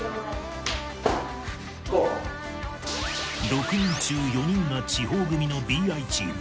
６人中４人が地方組のＢｉチーム